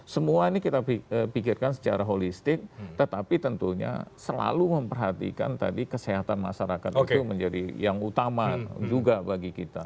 semua ini kita pikirkan secara holistik tetapi tentunya selalu memperhatikan tadi kesehatan masyarakat itu menjadi yang utama juga bagi kita